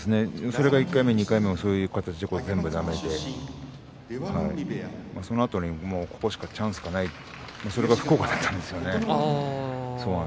それが１回目も２回目も全部だめでそのあとに、ここしかチャンスがないというそれが福岡だったんですよね。